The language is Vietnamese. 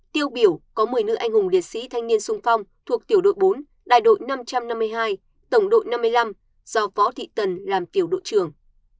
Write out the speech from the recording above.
tiêu biểu có một mươi nữ anh hùng liệt sĩ thanh niên sung phong thuộc tiểu đội bốn đại đội năm trăm năm mươi hai tổng đội năm mươi năm do võ thị tần làm tiểu đội trưởng